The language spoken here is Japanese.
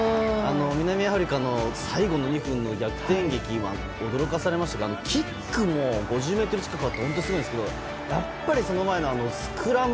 南アフリカの最後の２分の逆転劇は驚かされましたがキックも５０ｍ近くあって本当にすごいんですけどもやっぱり、その前のスクラム。